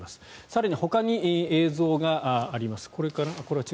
更に、ほかに映像があります。